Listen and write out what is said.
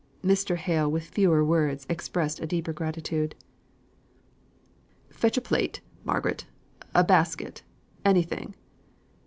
Mr. Hale with fewer words expressed a deeper gratitude. "Fetch a plate, Margaret a basket anything."